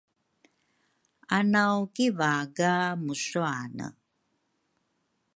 anaw kivaga muswane